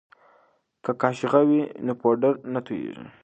که قاشغه وي نو پوډر نه توییږي.